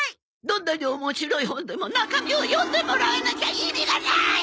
どんなに面白い本でも中身を読んでもらわなきゃ意味がない！